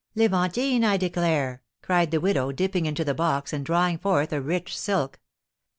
"Levantine, I declare!" cried the widow, dipping into the box, and drawing forth a rich silk.